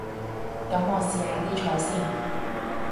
噉我試下啲菜先